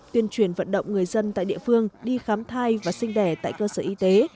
tuyên truyền vận động người dân tại địa phương đi khám thai và sinh đẻ tại cơ sở y tế